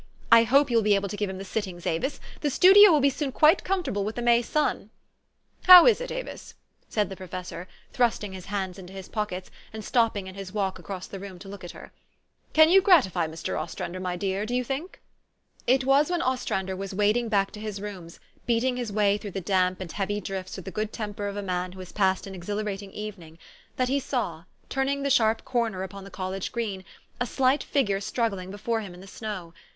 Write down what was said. I hope you will be able to give him the sittings, Avis. The studio will soon be quite comfortable with the May sun." 11 How is it, Avis? " said the professor, thrusting his hands into his pockets, and stopping in his walk across the room to look at her. " Can you gratify Mr. Ostrander, my dear, do you think? " It was when Ostrander was wading back to his rooms, beating his way through the damp and heavy drifts with the good temper of a man who has passed an exhilarating evening, that he saw, turning the sharp corner upon the college green, a slight figure struggling before him in the snow.